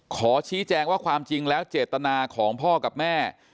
ขอชี้แจงว่าความจริงแล้วเจตนาของพ่อกับแม่